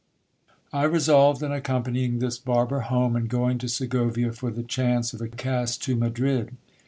I resolved on accompanying this barber home, and going to Segovia for the chance of a cast to Madrid.